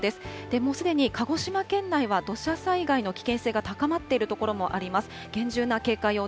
もうすでに鹿児島県内は土砂災害の危険性が高まっている所もあります。